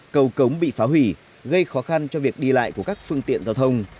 cầu cống bị phá hủy gây khó khăn cho việc đi lại của các phương tiện giao thông